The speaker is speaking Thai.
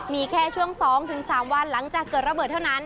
มีแค่ช่วง๒๓วันหลังจากเกิดระเบิดเท่านั้น